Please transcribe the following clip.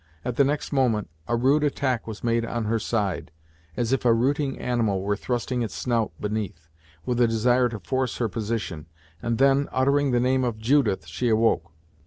At the next moment, a rude attack was made on her side, as if a rooting animal were thrusting its snout beneath, with a desire to force her position, and then, uttering the name of "Judith" she awoke.